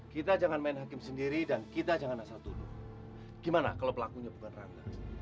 kita jangan main hakim sendiri dan kita jangan asal tuduh gimana kalau pelakunya bukan rangga